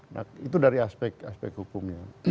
nah itu dari aspek aspek hukumnya